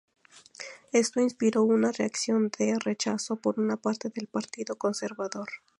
Esto inspiró una reacción de rechazo por una parte del Partido Conservador.